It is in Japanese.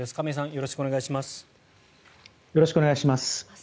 よろしくお願いします。